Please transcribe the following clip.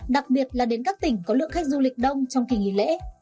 đặc biệt là đến các tỉnh có lượng khách du lịch đông trong kỳ nghỉ lễ